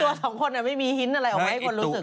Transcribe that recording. สองคนไม่มีฮิ้นอะไรออกมาให้คนรู้สึก